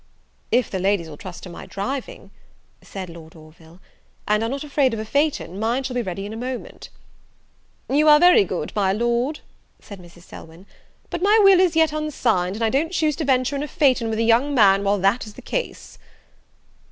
"If the ladies will trust to my driving," said Lord Orville, "and are not afraid of a phaeton, mine shall be ready in a moment." "You are very good, my Lord, "said Mrs. Selwyn, "but my will is yet unsigned, and I don't choose to venture in a phaeton with a young man while that is the case."